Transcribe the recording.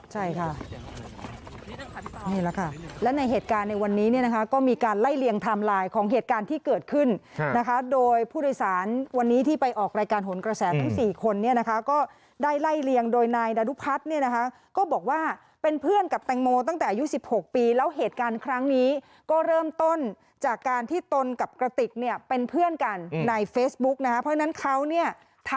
ใช่ค่ะนี่แหละค่ะและในเหตุการณ์ในวันนี้เนี่ยนะคะก็มีการไล่เลียงไทม์ไลน์ของเหตุการณ์ที่เกิดขึ้นนะคะโดยผู้โดยสารวันนี้ที่ไปออกรายการหนกระแสทั้ง๔คนเนี่ยนะคะก็ได้ไล่เลียงโดยนายดารุพัฒน์เนี่ยนะคะก็บอกว่าเป็นเพื่อนกับแตงโมตั้งแต่อายุ๑๖ปีแล้วเหตุการณ์ครั้งนี้ก็เริ่มต้นจากการที่ตนกับกระติกเนี่ยเป็นเพื่อนกันในเฟซบุ๊กนะคะเพราะฉะนั้นเขาเนี่ยท